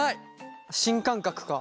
新感覚か。